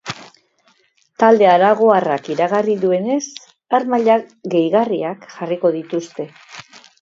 Talde aragoarrak iragarri duenez, harmaila gehigarriak jarriko dituzte.